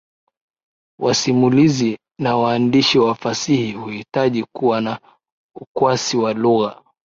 Wasimulizi na waandishi wa fasihi huhitaji kuwa na ukwasi wa lugha.